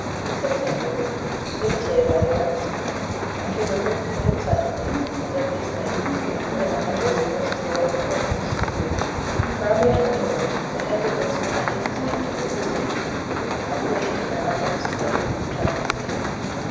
This example was imitated by the rest, until the room filled silently, as if these men had been the humblest, most devoted courtiers. Far beyond the door the heads of those who were not able to enter could be seen, all craning to their utmost height to try and see.